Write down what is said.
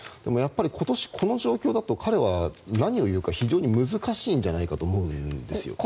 やっぱり今年、この状況だと彼は何を言うか非常に難しいんじゃないかと思うんです。